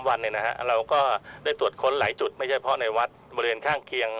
วันเราก็ได้ตรวจค้นหลายจุดไม่ใช่เพราะในวัดบริเวณข้างเคียง